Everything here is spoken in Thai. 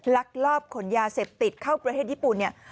ลักลอบขนยาเสพติดเข้าประเทศญี่ปุ่นเนี่ย